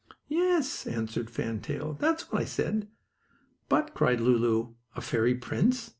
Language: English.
"Yes," answered Fan Tail, "that's what I said." "But!" cried Lulu. "A fairy prince!